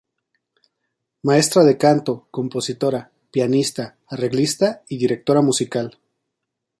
Maestra de canto, compositora, pianista, arreglista y directora musical.